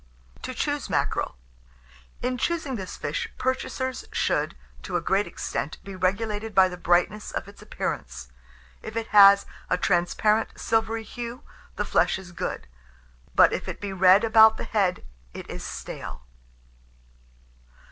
TO CHOOSE MACKEREL. In choosing this fish, purchasers should, to a great extent, be regulated by the brightness of its appearance. If it have a transparent, silvery hue, the flesh is good; but if it be red about the head, it is stale.